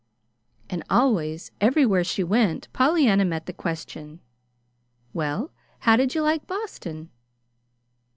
And always, everywhere she went, Pollyanna met the question: "Well, how did you like Boston?"